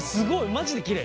マジできれい。